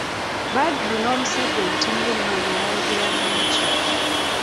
Badru n'omusajja omutemi w'ennyama bayogera bingi.